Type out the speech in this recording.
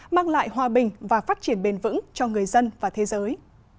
mang lại hòa bình và phát triển bền vững cho người dân và thế giới